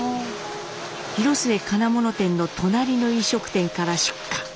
広末金物店の隣の飲食店から出火。